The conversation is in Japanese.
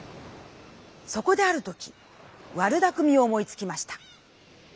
そこであるときわるだくみを思いつきました。